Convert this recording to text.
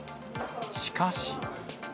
しかし。